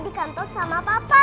dia di kantut sama papa